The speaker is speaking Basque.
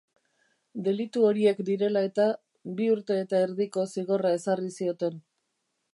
Delitu horiek direla eta, bi urte eta erdiko zigorra ezarri zioten.